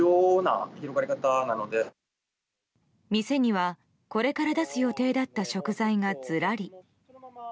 店には、これから出す予定だった食材が、ずらり。